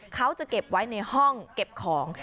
เขาจะเก็บไว้ในห้องเก็บของ